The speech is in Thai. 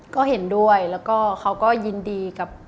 ก็เห็นด้วยแล้วก็เขาก็ยินดีกับ